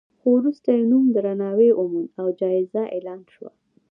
خو وروسته یې نوم درناوی وموند او جایزه اعلان شوه.